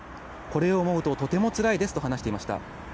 これを思うととてもつらいですと話していました。